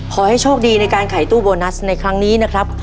ขอให้โชคดีในการขายตู้โบนัสในครั้งนี้นะครับ